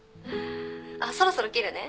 あっそろそろ切るね。